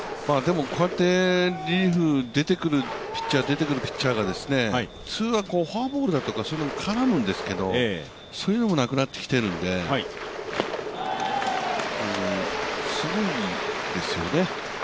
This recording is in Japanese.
こうやってリリーフで出てくるピッチャー、出てくるピッチャー、普通はフォアボールだとかに絡むんですけどそういうのもなくなってきているんで、すごいですよね。